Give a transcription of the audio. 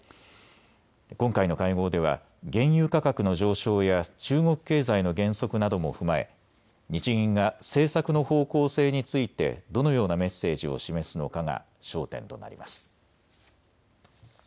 今回の会合では原油価格の上昇や中国経済の減速なども踏まえ日銀が政策の方向性についてどのようなメッセージを示すのかが焦点となります。